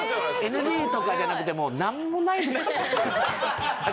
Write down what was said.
ＮＧとかじゃなくてもう何もないです私たち。